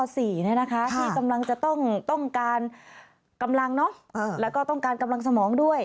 ที่กำลังจะต้องการกำลังแล้วก็ต้องการกำลังสมองด้วย